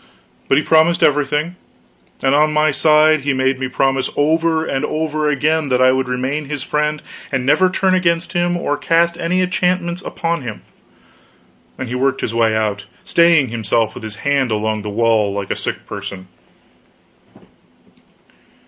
But he promised everything; and on my side he made me promise over and over again that I would remain his friend, and never turn against him or cast any enchantments upon him. Then he worked his way out, staying himself with his hand along the wall, like a sick person.